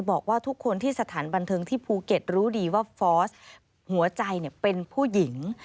บอกว่าทุกคนที่สถานบันเทิงที่ภูเก็ตรู้ดีว่าฟอร์สหัวใจเป็นผู้หญิง